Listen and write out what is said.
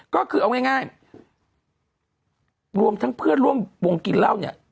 ก็คือเอาง่ายรวมทั้งเพื่อนร่วมวงกินเหล้าเนี่ย